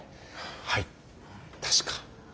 はい確か。